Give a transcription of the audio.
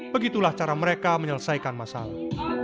begitulah cara mereka menyelesaikan masalah